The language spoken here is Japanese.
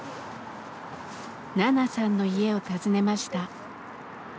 ナナさんの家を訪ねました。